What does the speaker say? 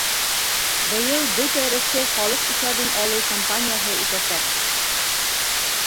Быйыл Бөтә Рәсәй Халыҡ иҫәбен алыу кампанияһы үтәсәк.